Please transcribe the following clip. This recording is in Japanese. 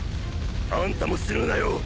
あんたも死ぬなよ。